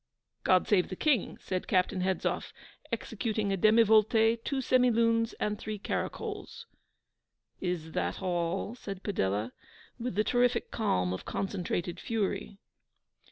'God save the King!' said Captain Hedzoff, executing a demivolte, two semilunes, and three caracols. 'Is that all?' said Padella, with the terrific calm of concentrated fury.